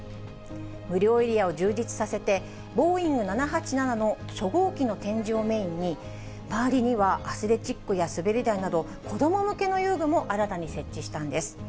無料エリアを充実させて、ボーイング７８７の初号機の展示をメインに、周りにはアスレチックや滑り台など、子供向けの遊具も新たに設置したんです。